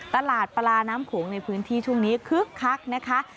ตลาดปลาน้ำโขงในพื้นที่ช่วงนี้คึกคักนะคะ